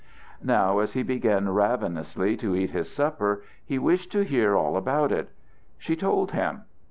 Now as he began ravenously to eat his supper he wished to hear all about it. She told him.